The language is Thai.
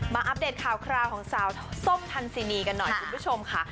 อัปเดตข่าวคราวของสาวส้มทันซินีกันหน่อยคุณผู้ชมค่ะ